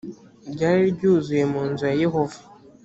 ryari ryuzuye mu nzu ya yehova